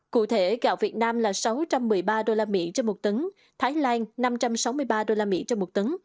cụ thể gạo việt nam là sáu trăm một mươi ba usd trong một tấn thái lan năm trăm sáu mươi ba usd trong một tấn